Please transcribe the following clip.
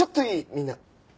みんな。